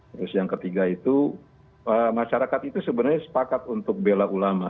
terus yang ketiga itu masyarakat itu sebenarnya sepakat untuk bela ulama